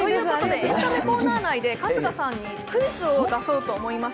エンタメコーナー内で春日さんにクイズを出そうと思います。